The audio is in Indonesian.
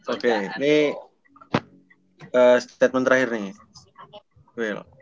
oke ini statement terakhir nih